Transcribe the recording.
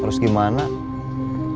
kamu masih setia sama kang bahar